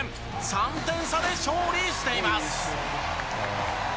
３点差で勝利しています。